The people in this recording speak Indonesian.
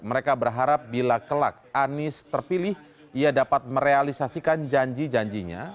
mereka berharap bila kelak anies terpilih ia dapat merealisasikan janji janjinya